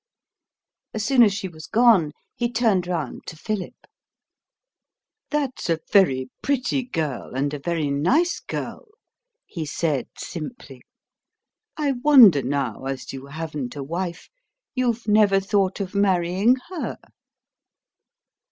As soon as she was gone, he turned round to Philip. "That's a very pretty girl and a very nice girl," he said simply. "I wonder, now, as you haven't a wife, you've never thought of marrying her."